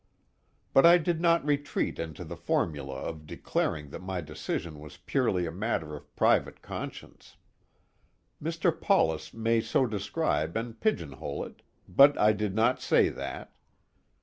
But I did not retreat into the formula of declaring that my decision was purely a matter of private conscience. Mr. Paulus may so describe and pigeonhole it, but I did not say that.